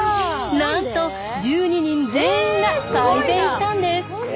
なんと１２人全員が改善したんです！